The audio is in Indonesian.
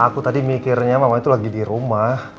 aku tadi mikirnya mama itu lagi di rumah